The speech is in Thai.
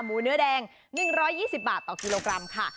เนื้อแดง๑๒๐บาทต่อกิโลกรัมค่ะ